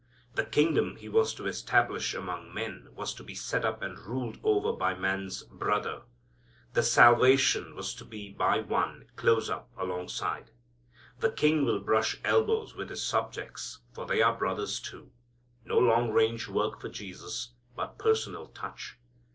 The kingdom He was to establish among men was to be set up and ruled over by man's Brother. The salvation was to be by One, close up, alongside. The King will brush elbows with His subjects, for they are brothers too. No long range work for Jesus, but personal touch.